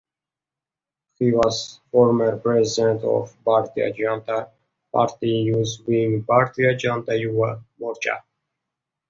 He was former President of Bhartiya Janta Party Youth Wing Bhartiya Janta Yuva Morcha.